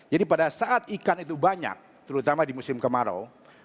jadi pada saat ikan itu banyak terutama di musim kemarau